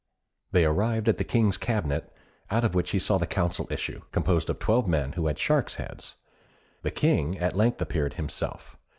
They arrived at the King's cabinet, out of which he saw the council issue, composed of twelve men who had sharks' heads. The King at length appeared himself.